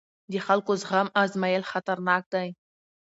د خلکو زغم ازمېیل خطرناک دی